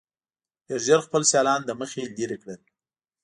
ډېر ژر خپل سیالان له مخې لرې کړل.